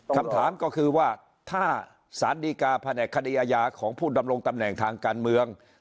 คำถามก็คือว่าถ้าสารดีกาแผนกคดีอาญาของผู้ดำรงตำแหน่งทางการเมือง